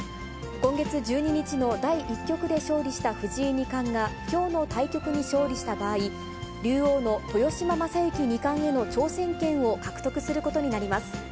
今月１２日の第１局で勝利した藤井二冠が、きょうの対局に勝利した場合、竜王の豊島将之二冠への挑戦権を獲得することになります。